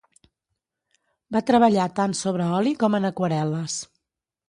Va treballar tant sobre oli com en aquarel·les.